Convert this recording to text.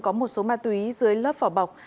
có một số ma túy dưới lớp phỏ bọc